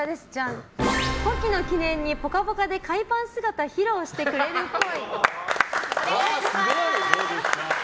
古希の記念に「ぽかぽか」で海パン姿披露してくれるっぽい。